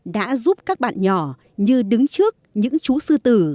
đã giúp các bạn nhỏ như đứng trước những chú sư tử